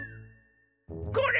これ！